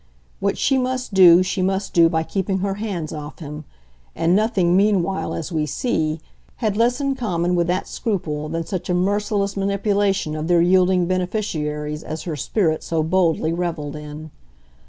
What she must do she must do by keeping her hands off him; and nothing meanwhile, as we see, had less in common with that scruple than such a merciless manipulation of their yielding beneficiaries as her spirit so boldly revelled in.